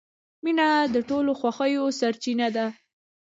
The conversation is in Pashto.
• مینه د ټولو خوښیو سرچینه ده.